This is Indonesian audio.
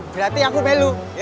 berarti aku belu